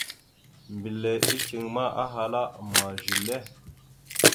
Mbile iceŋ ma, ahala: « Ama zile? ».